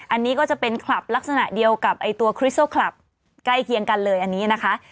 อันนี้ก็จะเป็นคลับลักษณะเดียวกับตัวคริสโซคลับใกล้เคียงกันเลยอันนี้นะคะ